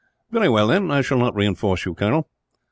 "Very well, then; I shall not reinforce you, Colonel.